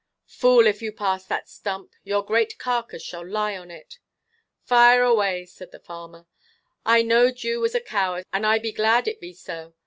"Fool, if you pass that stump, your great carcase shall lie on it." "Fire away," said the farmer, "I knowed you was a coward, and I be glad it be so.